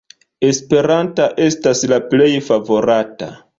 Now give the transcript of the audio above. Esperanta estas la plej favorata.